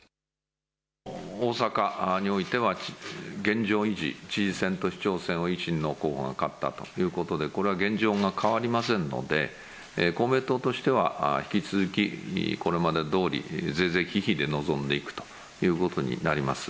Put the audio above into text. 大阪においては、現状維持、知事選と市長選を維新の候補が勝ったということで、これは現状が変わりませんので、公明党としては、引き続き、これまでどおり、是々非々で臨んでいくということになります。